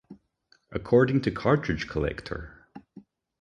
According to Cartridge Collector.